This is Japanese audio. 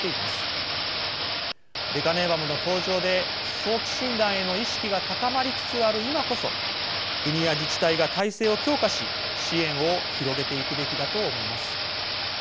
レカネマブの登場で早期診断への意識が高まりつつある今こそ国や自治体が体制を強化し支援を広げていくべきだと思います。